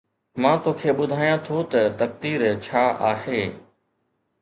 مان توکي ٻڌايان ٿو ته تقدير ڇا آهي